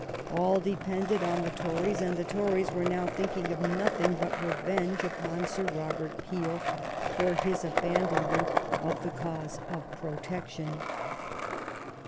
All depended on the Tories, and the Tories were now thinking of nothing but revenge upon Sir Robert Peel for his abandon ment of the cause of protection.